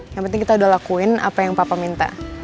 yang penting kita udah lakuin apa yang papa minta